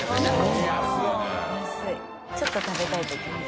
ちょっと食べたいときに。